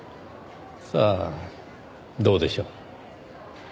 さあどうでしょう。